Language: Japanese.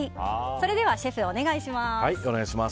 それではシェフ、お願いします。